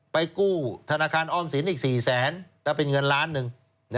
ไปกู้ธนาคารอ้อมสินอีก๔๐๐๐๐๐บาทแล้วเป็นเงินล้านหนึ่ง